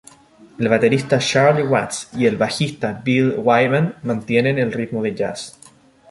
El baterista Charlie Watts y el bajista Bill Wyman mantienen el ritmo de jazz.